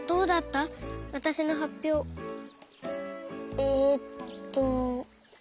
えっと。